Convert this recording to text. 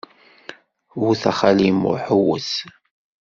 Wwet a xali Muḥ, wwet!